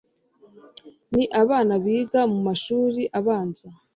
n'abana biga mu mashuri abanza